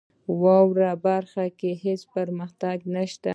واورئ برخه کې هیڅ پرمختګ نشته .